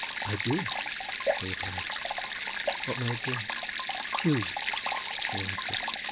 "I do," he replied. "What may it be?" "Hughes," he answered.